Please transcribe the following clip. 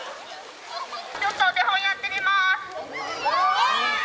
ちょっとお手本やってみます。